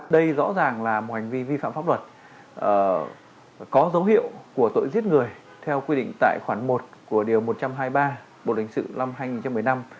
đây rõ ràng là một hành vi vi phạm pháp luật có dấu hiệu của tội giết người theo quy định tại khoản một của điều một trăm hai mươi ba bộ đình sự năm hai nghìn một mươi năm